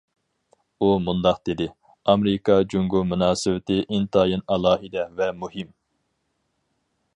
ئۇ مۇنداق دېدى: ئامېرىكا- جۇڭگو مۇناسىۋىتى ئىنتايىن ئالاھىدە ۋە مۇھىم.